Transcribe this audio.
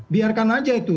biarkan saja itu